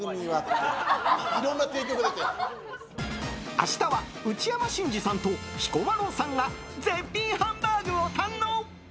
明日は内山信二さんと彦摩呂さんが絶品ハンバーグを堪能！